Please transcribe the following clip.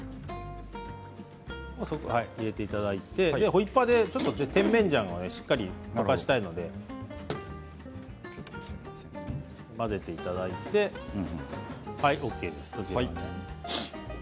ホイッパーで甜麺醤をしっかりと溶かしたいので混ぜていただいてはい、ＯＫです。